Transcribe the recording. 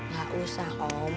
gak usah om